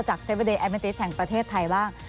จากเซเวอร์เดย์แอมเมนเตย์แสงประเทศไทยบ้าง